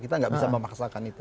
kita nggak bisa memaksakan itu